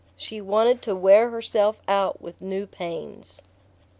She wanted to wear herself out with new pains...